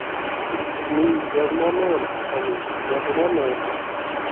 Тик мин яҙманым, Хәмит, яҙманым!